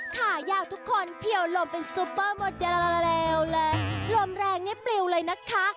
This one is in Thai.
ขายากทุกคนเพี่ยวลมเป็นซุปเปอร์หมดเร็วและลมแรงให้ปลิวเลยนะคะ